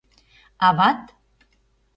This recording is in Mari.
Ават?..